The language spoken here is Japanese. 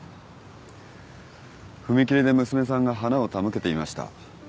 踏切で娘さんが花を手向けていました。